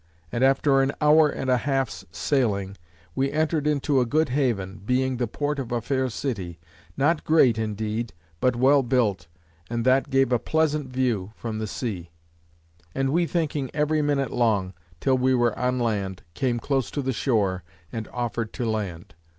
And after an hour and a half's sailing, we entered into a good haven, being the port of a fair city; not great indeed, but well built, and that gave a pleasant view from the sea: and we thinking every minute long, till we were on land, came close to the shore, and offered to land.